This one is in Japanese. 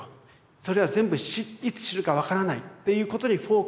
それは全部「いつ死ぬか分からない」っていうことにフォーカスしてる。